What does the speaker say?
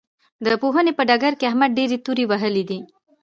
د پوهنې په ډګر کې احمد ډېرې تورې وهلې دي.